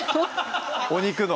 お肉の？